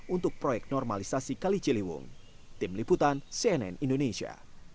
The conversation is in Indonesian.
untuk proyek normalisasi kali ciliwung tim liputan cnn indonesia